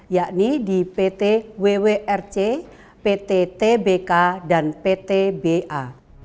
yakni di pt wwrc pt tbk dan pt ba